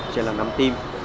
trên là năm team